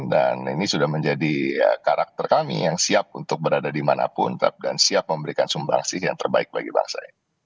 dan ini sudah menjadi karakter kami yang siap untuk berada di manapun dan siap memberikan sumbang sih yang terbaik bagi bangsa